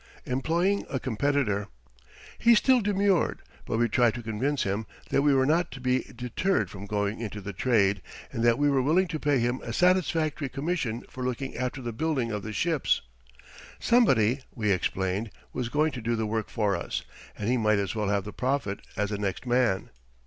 EMPLOYING A COMPETITOR He still demurred, but we tried to convince him that we were not to be deterred from going into the trade, and that we were willing to pay him a satisfactory commission for looking after the building of the ships. Somebody, we explained, was going to do the work for us, and he might as well have the profit as the next man.